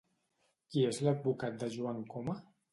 Qui és l'advocat de Joan Coma?